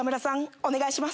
お願いします。